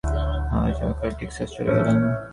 আমার স্বামী এমএস করার জন্যে আজ সকালে টেক্সাস চলে গেলেন।